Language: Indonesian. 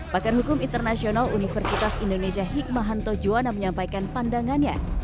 pakar hukum internasional universitas indonesia hikmahanto juwana menyampaikan pandangannya